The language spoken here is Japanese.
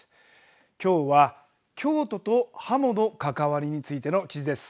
きょうは京都とハモの関わりについての記事です。